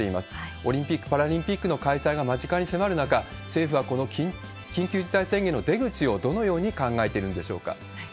オリンピック・パラリンピックの開催が間近に迫る中、政府はこの緊急事態宣言の出口をどのように考えているんでしょうか。